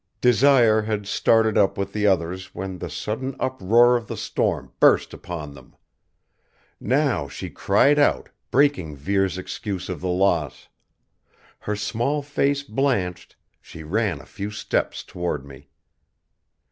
Desire had started up with the others when the sudden uproar of the storm burst upon them. Now she cried out, breaking Vere's excuse of the loss. Her small face blanched, she ran a few steps toward me.